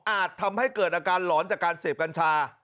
ทำให้เกิดอาการหลอนจากการเสพกัญชา